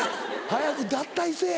早く脱退せぇ。